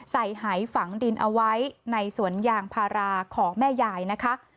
หายฝังดินเอาไว้ในสวนยางพาราของแม่ยายนะคะ